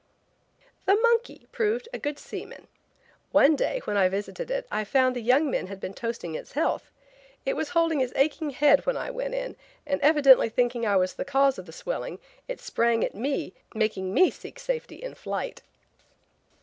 The monkey proved a good seaman. One day when I visited it I found the young men had been toasting its health. It was holding its aching head when I went in, and evidently thinking I was the cause of the swelling, it sprang at me, making me seek safety in flight.